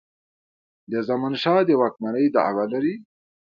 د زمانشاه د واکمنی دعوه لري.